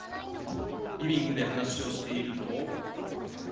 リビングで話をしていると。